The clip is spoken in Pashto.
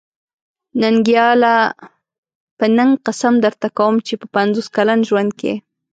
ننګياله! په ننګ قسم درته کوم چې په پنځوس کلن ژوند کې.